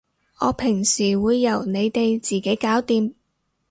我平時會由你哋自己搞掂